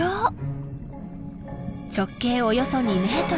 直径およそ２ｍ